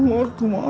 nggak ada apa apa